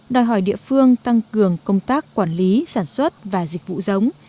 đòi hỏi địa phương tăng cường công tác quản lý sản xuất và dịch vụ giống